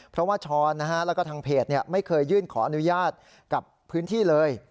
เพราะว่าช้อนแล้วก็ทางเพจไม่เคยยื่นขออนุญาตกับพื้นที่เลย